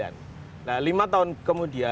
nah lima tahun kemudian